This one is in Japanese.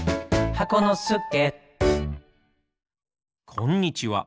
こんにちは。